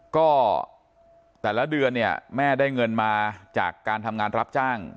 ก็แต่ละเดือนเนี่ยแม่ได้เงินมาจากการทำงานรับจ้าง